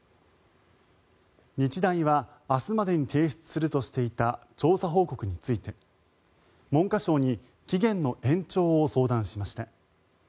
日大は明日までに提出するとしていた調査報告について文科省に期限の延長を相談しました。